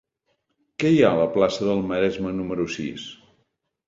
Què hi ha a la plaça del Maresme número sis?